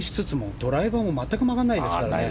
ドライバーも全く曲がらないですからね。